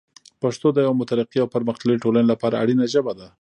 پښتو د یوه مترقي او پرمختللي ټولنې لپاره اړینه ژبه ده.